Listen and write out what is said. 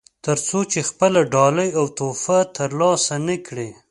تر څو چې خپله ډالۍ او تحفه ترلاسه نه کړي.